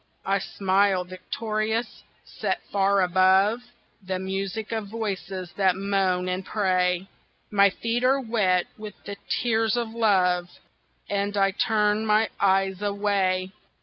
I smile victorious, set far above The music of voices that moan and pray, My feet are wet with the tears of love, And I turn my eyes away.